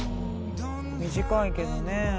短いけどね。